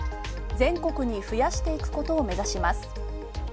全国に増やしていくことを目指します。